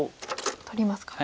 取りますか。